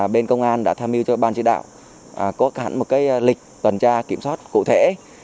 bên công an đã tham mưu cho ban chỉ đạo có cả một lịch tuần tra kiểm soát cụ thể